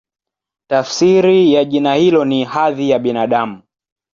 Tafsiri ya jina hilo ni "Hadhi ya Binadamu".